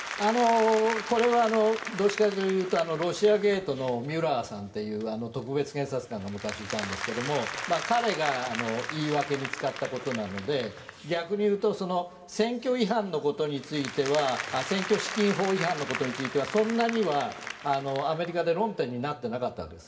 これはどちらかというとロシアゲートのミュラーさんという特別検察官が昔いたんですけど彼が言い訳に使ったことなので逆に言うと選挙資金法違反のことについてはそんなにはアメリカで論点になっていなかったんです。